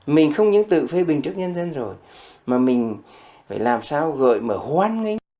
mình không những tự phê bình trước nhân dân rồi mà mình phải làm sao gợi mở hoan ngay